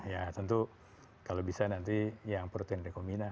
ya tentu kalau bisa nanti yang protein rekombina